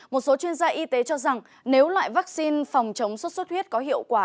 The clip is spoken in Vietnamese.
một số chuyên gia y tế cho rằng nếu loại vaccine phòng chống sốt xuất huyết có hiệu quả